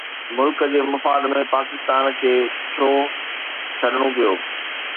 ملڪ جي مفاد ۾ پاڪستان کي ڇو ڇڏڻو پيو؟